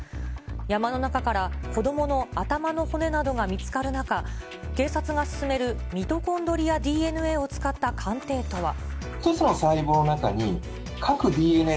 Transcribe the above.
山の中から、子どもの頭の骨などが見つかる中、警察が進めるミトコンドリアＤＮＡを使った鑑定とは。